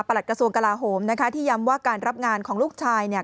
หลักกระทรวงกลาโหมนะคะที่ย้ำว่าการรับงานของลูกชายเนี่ย